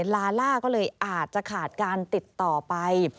ลาล่าก็เลยอาจจะขาดการติดต่อไป